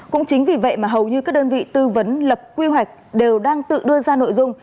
cũng chính vì vậy mà hầu như các đơn vị tư vấn lập quy hoạch đều đang tự đưa ra nội dung